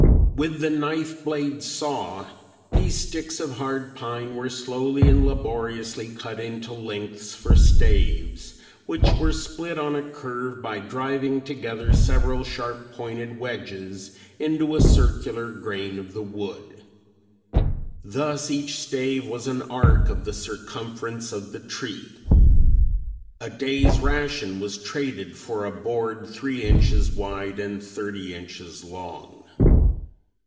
With the knife blade saw these sticks of hard pine were slowly and laboriously cut into lengths for staves which were split on a curve by driving together several sharp pointed wedges into a circular grain of the wood. Thus each stave was an arc of the circumference of the tree. A day's ration was traded for a board three inches wide and thirty inches long.